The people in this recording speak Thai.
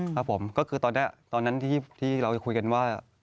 ครับผมก็คือตอนนั้นที่เราจะคุยกันว่า